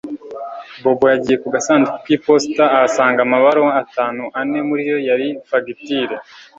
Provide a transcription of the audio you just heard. Bobo yagiye ku gasanduku kiposita ahasanga amabaruwa atanu ane muri yo yari fagitire